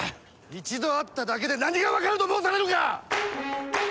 一度会っただけで何が分かると申されるか！